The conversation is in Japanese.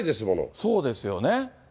そうですよね。